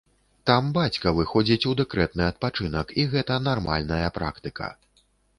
Там бацька выходзіць у дэкрэтны адпачынак, і гэта нармальная практыка.